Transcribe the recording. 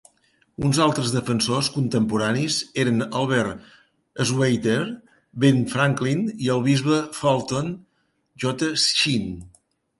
Uns altres defensors contemporanis eren Albert Schweitzer, Ben Franklin i el bisbe Fulton J. Sheen.